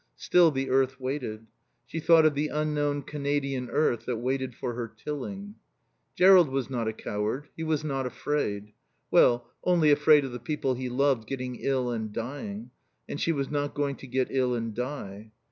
Still the earth waited. She thought of the unknown Canadian earth that waited for her tilling. Jerrold was not a coward. He was not afraid well, only afraid of the people he loved getting ill and dying; and she was not going to get ill and die.